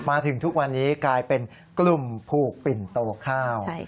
มาถึงทุกวันนี้กลายเป็นกลุ่มผูกปิ่นโตข้าว